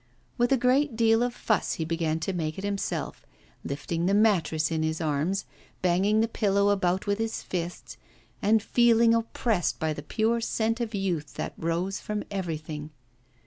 With a great deal of fuss he began to make it himself, lifting the mattress in his arms, banging the pillow about with his fists, and feeling oppressed by the pure scent of youth that rose from everything.